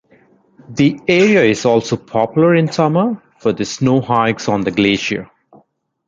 The area is also popular in summer for the snow hikes on the glacier.